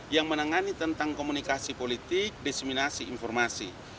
yang menangani tentang komunikasi politik diseminasi informasi